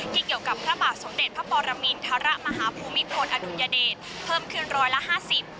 เกี่ยวกับพระบาทสมเด็จพระปรมินทรมาฮภูมิพลอดุลยเดชเพิ่มขึ้นร้อยละห้าสิบ